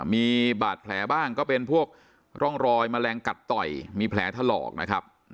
มีบาดแผลบ้างก็เป็นพวกร่องรอยแมลงกัดต่อยมีแผลถลอกนะครับ